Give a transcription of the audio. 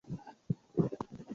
Njooni kwake Baba.